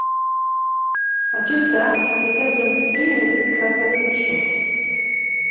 Acestea afectează în primul rând clasa de mijloc.